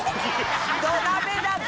土鍋だぜ！